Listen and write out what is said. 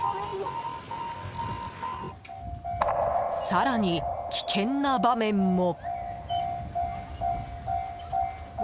更に、危険な場面も。